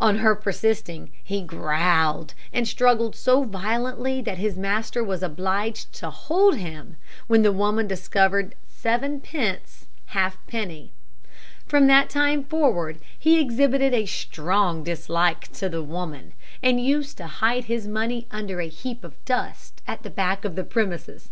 On her persisting, he growled, and struggled so violently that his master was obliged to hold him, when the woman discovered sevenpence halfpenny. From that time forward he exhibited a strong dislike to the woman, and used to hide his money under a heap of dust at the back of the premises.